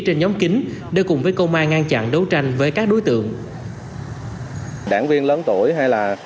trên nhóm kính để cùng với công an ngăn chặn đấu tranh với các đối tượng đảng viên lớn tuổi hay là